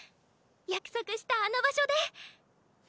約束したあの場所で！